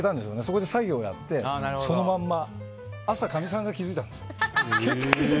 何か作業をやってそのまま、朝かみさんが気づいたんです。